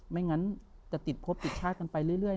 ไม่งั้นจะหลุดชาติไปเรื่อย